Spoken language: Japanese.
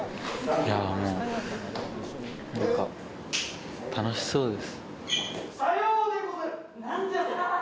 いや、もうなんか楽しそうです。